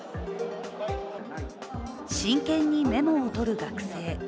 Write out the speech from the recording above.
真剣にメモを取る学生。